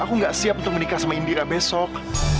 aku gak siap untuk menikah sama indira besok